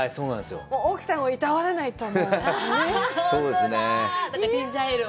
奥さんをいたわらないと。